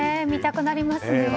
見たくなりますね。